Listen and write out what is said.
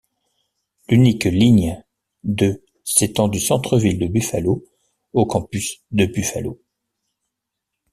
L'unique ligne de s'étend du centre-ville de Buffalo au campus de Buffalo.